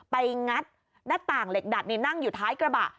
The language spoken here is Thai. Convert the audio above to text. งัดหน้าต่างเหล็กดัดนั่งอยู่ท้ายกระบะ